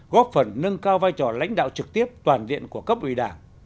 góp phần nâng cao vai trò lãnh đạo trực tiếp toàn diện của cấp ủy đảng